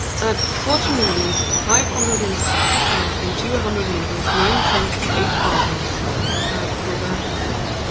"At forty millions, five hundred and sixty thousand, two hundred livres, nine cents, eight farthings," replied Colbert.